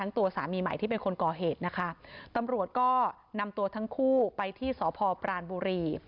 ตัวสามีใหม่ที่เป็นคนก่อเหตุนะคะตำรวจก็นำตัวทั้งคู่ไปที่สพปรานบุรี